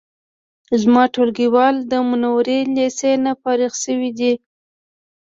زما ټولګیوال د منورې د لیسې نه فارغ شوی دی